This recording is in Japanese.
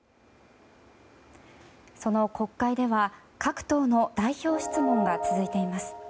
その国会では各党の代表質問が続いています。